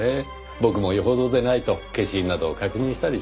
僕も余程でないと消印など確認したりしません。